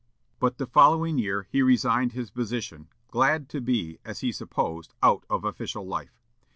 But the following year he resigned his position, glad to be, as he supposed, out of official life.